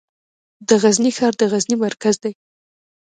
د غزني ښار د غزني مرکز دی